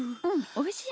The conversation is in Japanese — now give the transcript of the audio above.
おいしい。